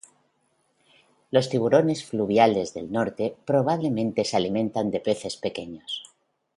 Los tiburones fluviales del norte probablemente se alimentan de peces pequeños.